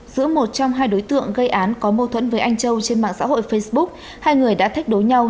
giữa một trong hai đối tượng gây án có mâu thuẫn với anh châu trên mạng xã hội facebook hai người đã thách đối nhau